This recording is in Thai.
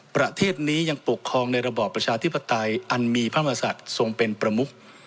ประเทศนี้ยังปกครองในระบอบประชาธิปไตยอันมีพระมศัตริย์ทรงเป็นประมุก